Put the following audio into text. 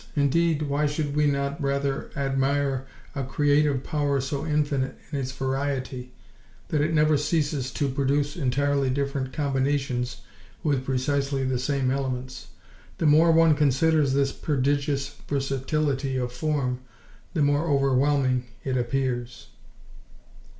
Indeed, why should we not rather admire a Creative Power so infinite in its variety that it never ceases to produce entirely different combinations with precisely the same elements? The more one considers this prodigious versatility of form, the more overwhelming it appears.